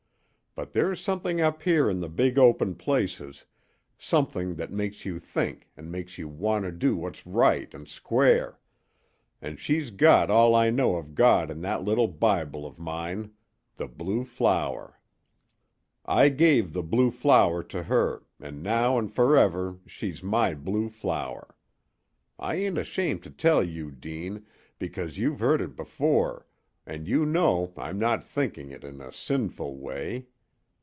But there's something up here in the big open places, something that makes you think and makes you want to do what's right and square; an' she's got all I know of God in that little Bible of mine the blue flower. I gave the blue flower to her, an' now an' forever she's my blue flower. I ain't ashamed to tell you, Deane, because you've heard it before, an' you know I'm not thinking it in a sinful way.